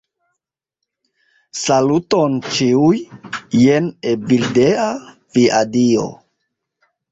Saluton, ĉiuj! Jen Evildea, via dio.